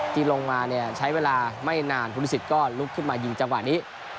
ที่ลงมาเนี่ยใช้เวลาไม่นานภูริสิตก็ลุกขึ้นมายิงจังหวะนี้